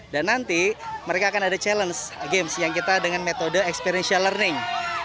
dan nanti mereka akan ada challenge games yang kita dengan metode experiential learning